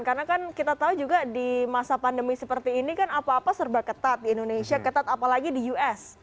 karena kan kita tahu juga di masa pandemi seperti ini kan apa apa serba ketat di indonesia ketat apalagi di us